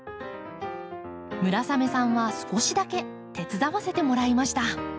村雨さんは少しだけ手伝わせてもらいました。